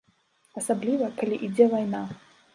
Асабліва, калі ідзе вайна.